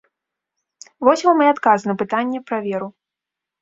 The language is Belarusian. Вось вам і адказ на пытанне пра веру.